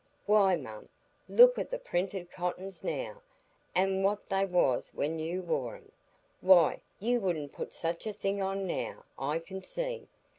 Why, mum, look at the printed cottons now, an' what they was when you wore 'em,—why, you wouldn't put such a thing on now, I can see.